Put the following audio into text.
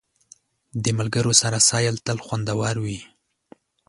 د ملګرو سره سیل تل خوندور وي.